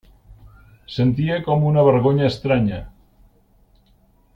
Sentia com una vergonya estranya.